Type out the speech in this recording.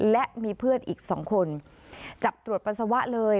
และมีเพื่อนอีกสองคนจับตรวจปัสสาวะเลย